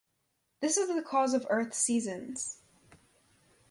This is the cause of Earth's seasons.